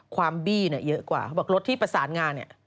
ความบี้เยอะกว่าเพราะว่ารถที่ประสานงา